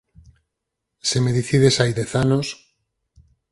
Se me dicides hai dez anos